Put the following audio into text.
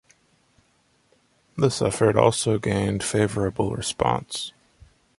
This effort also gained favorable response.